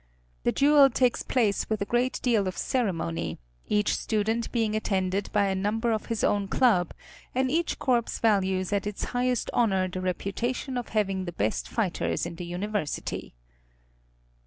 The duel takes place with a great deal of ceremony, each student being attended by a number of his own club, and each corps values as its highest honor the reputation of having the best fighters in the university.